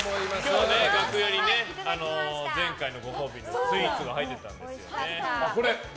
今日楽屋にね、前回のご褒美のスイーツが入ってたんですけどね。